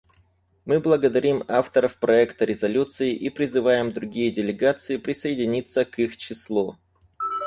Мы благодарим авторов проекта резолюции и призываем другие делегации присоединиться к их числу.